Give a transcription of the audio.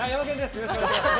よろしくお願いします！